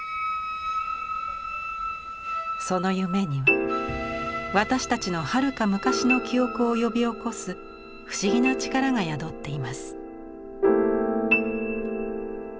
その夢には私たちのはるか昔の記憶を呼び起こす不思議な力が宿っています。